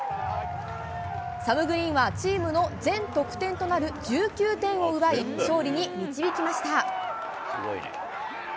サム・グリーンはチームの全得点となる１９点を奪い、勝利に導きました。